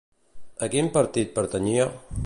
A quin partit pertanyia?